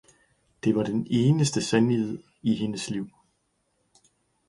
det var den eneste sandhed i hendes liv!